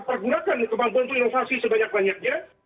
pergunakan kemampuan untuk inovasi sebanyak banyaknya